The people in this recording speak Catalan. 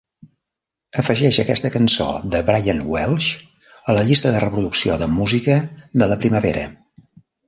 Afegeix aquesta cançó de Brian Welch a la llista de reproducció de música de la primavera